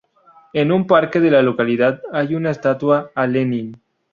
En un parque de la localidad hay una estatua a Lenin.